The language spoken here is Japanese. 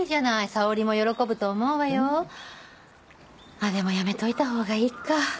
あっでもやめといた方がいっか。